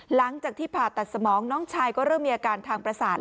หลังจากที่ผ่าตัดสมองน้องชายก็เริ่มมีอาการทางประสาท